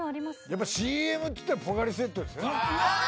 やっぱＣＭっつったらポカリスエットですね。